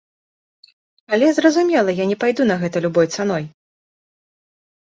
Але, зразумела, я не пайду на гэта любой цаной.